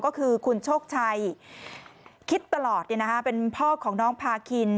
ก็คือคุณโชคชัยคิดตลอดเป็นพ่อของน้องพาคิน